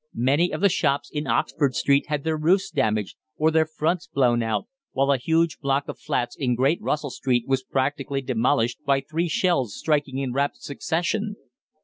Many of the shops in Oxford Street had their roofs damaged or their fronts blown out, while a huge block of flats in Great Russell Street was practically demolished by three shells striking in rapid succession.